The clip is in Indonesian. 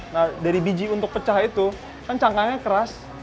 nah dari biji untuk pecah itu kan cangkangnya keras